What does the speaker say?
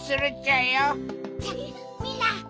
じゃみんな。